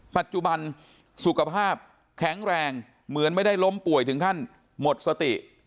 ปัจจุบันสุขภาพแข็งแรงเหมือนไม่ได้ล้มป่วยถึงขั้นหมดสติ